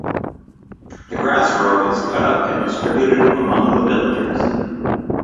The grass rope is cut up and distributed among the villagers.